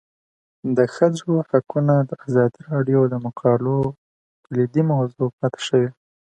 د ښځو حقونه د ازادي راډیو د مقالو کلیدي موضوع پاتې شوی.